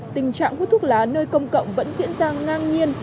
tình trạng hút thuốc lá nơi công cộng vẫn diễn ra ngang nhiên